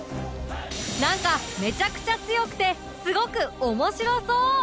なんかめちゃくちゃ強くてすごく面白そう！